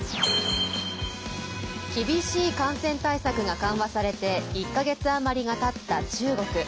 厳しい感染対策が緩和されて１か月余りがたった中国。